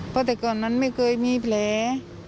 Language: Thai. เพราะแต่ก่อนนั้นไม่เคยมีแผล